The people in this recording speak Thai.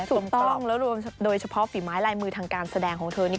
ถูกต้องแล้วโดยเฉพาะฝีไม้ลายมือทางการแสดงของเธอนี่